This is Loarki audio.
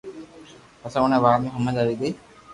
پسو اوني وات ھمج آوي گئي